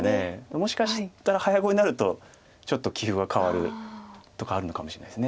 もしかしたら早碁になるとちょっと棋風が変わるとかあるのかもしれないです。